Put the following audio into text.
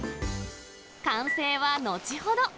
完成は後ほど。